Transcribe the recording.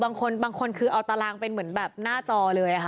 ใช่คือบางคนเอาตารางเป็นเหมือนแบบหน้าจอเลย